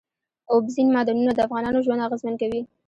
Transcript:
اوبزین معدنونه د افغانانو ژوند اغېزمن کوي.